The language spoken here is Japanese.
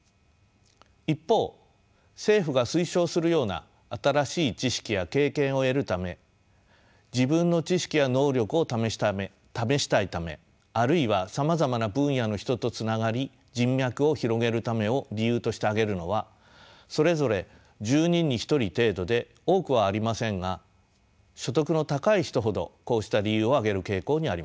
一方政府が推奨するような新しい知識や経験を得るため自分の知識や能力を試したいためあるいはさまざまな分野の人とつながり人脈を広げるためを理由として挙げるのはそれぞれ１０人に１人程度で多くはありませんが所得の高い人ほどこうした理由を挙げる傾向にあります。